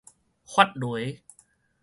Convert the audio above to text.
法螺